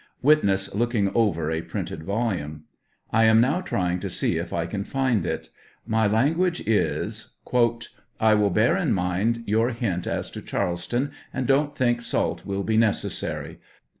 (Witness looking over a printed volume.) I am now trying to see if I can find it. My lan guage is :" I will bear in mind your hint as to Charleston, and don't think salt will be necessary.